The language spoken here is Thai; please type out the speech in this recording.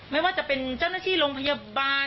ไม่ว่าจะเป็นเจ้าหน้าที่โรงพยาบาล